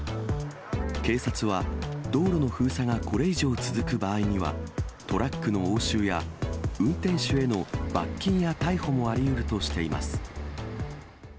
警察は道路の封鎖がこれ以上続く場合には、トラックの押収や、運転手への罰金や逮捕もありうるとしています。